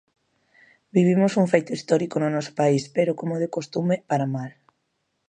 Vivimos un feito histórico no noso país, pero, como de costume, para mal.